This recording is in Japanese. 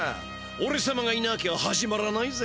おれさまがいなきゃ始まらないぜ。